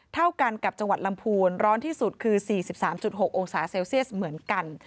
เท่ากันกับจังหวัดลำพูนร้อนที่สุดคือ๔๓๖องศาเซลเซียสเหมือนกัน